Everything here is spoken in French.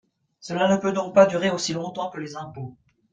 Cela ne peut donc pas durer aussi longtemps que les impôts.